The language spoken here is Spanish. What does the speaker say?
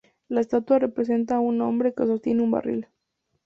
La estatua representa a un hombre que sostiene un barril.